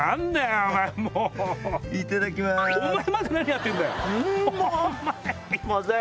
お前まで何やってんだよ